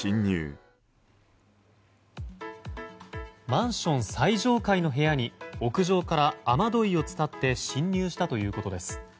マンション最上階の部屋に屋上から雨どいを伝って侵入したということです。